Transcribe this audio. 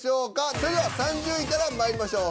それでは３０位からまいりましょう。